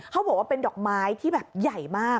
เขาบอกว่าเป็นดอกไม้ที่แบบใหญ่มาก